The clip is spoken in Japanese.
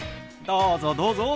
どうぞどうぞ。